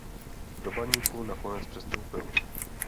Do Baníku nakonec přestoupil.